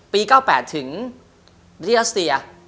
ปี๙๘ถึงริทราสเตีย